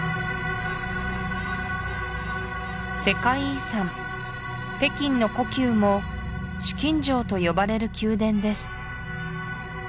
世界遺産北京の故宮も紫禁城と呼ばれる宮殿です